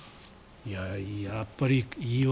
やっぱり、いいわ。